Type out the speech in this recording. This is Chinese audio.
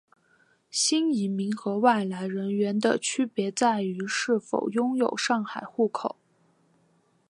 新移民和外来人员的区别在于是否拥有上海户口。